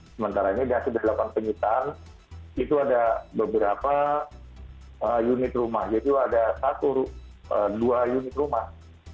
sementara ini sudah dilakukan penyitaan itu ada beberapa unit rumah yaitu ada dua unit rumah